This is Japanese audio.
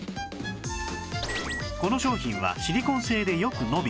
この商品はシリコン製でよく伸び